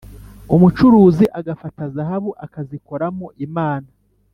umucuzi agafata zahabu akazikoramo imana.